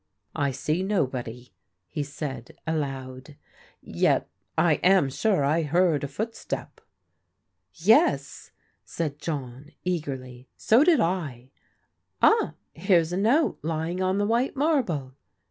" I see nobody," he said aloud. " Yet I am sure I heard a footstep." " Yes," said John eagerly, " so did I. Ah, here's a note lying on the white marble."